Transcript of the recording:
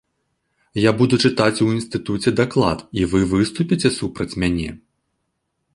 Я буду чытаць у інстытуце даклад і вы выступіце супроць мяне.